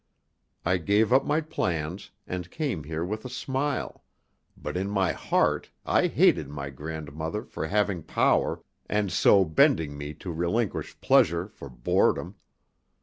I gave up my plans, and came here with a smile; but in my heart I hated my grandmother for having power, and so bending me to relinquish pleasure for boredom.